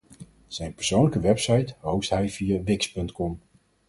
Zijn persoonlijke website host hij via Wix.com.